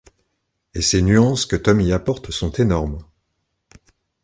Et ces nuances que Tom y apporte sont énormes.